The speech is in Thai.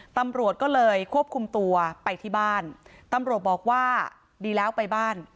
ตำรวจก็เลยควบคุมตัวไปที่บ้านตำรวจบอกว่าดีแล้วไปบ้าน